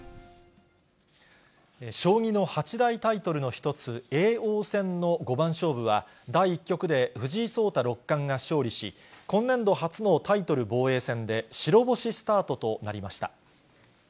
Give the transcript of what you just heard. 将棋の八大タイトルの一つ、叡王戦の五番勝負は、第１局で藤井聡太六冠が勝利し、今年度初のタイトル防衛戦で、白星スタートとなりました。